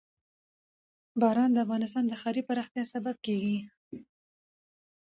باران د افغانستان د ښاري پراختیا سبب کېږي.